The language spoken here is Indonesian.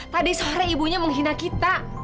tadi sore ibunya menghina kita